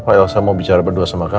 ma tadi elsa mau bercanda sama papa